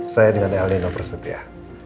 saya dengan elin nopraset ya